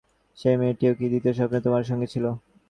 সেই মেয়েটিও কি দ্বিতীয় স্বপ্নে তোমার সঙ্গে ছিল?